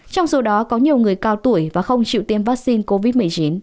trong số đó có nhiều người cao tuổi và không chịu tiêm vaccine covid một mươi chín